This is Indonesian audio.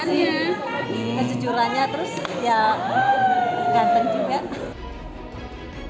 kejujurannya terus ya ganteng juga